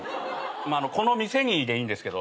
この店にでいいんですけど。